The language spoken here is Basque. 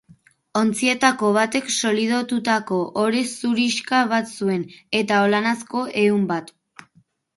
Ontzietako batek solidotutako ore zurixka bat zuen, eta olanazko ehun bat.